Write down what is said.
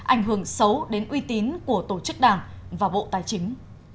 ảnh hưởng xấu đến uy tín của tổ chức đảng và bộ tài chính